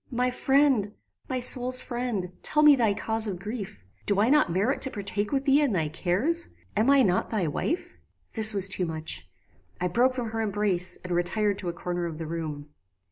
"My friend! my soul's friend! tell me thy cause of grief. Do I not merit to partake with thee in thy cares? Am I not thy wife?" "This was too much. I broke from her embrace, and retired to a corner of the room.